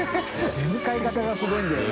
出迎え方がすごいんだよな。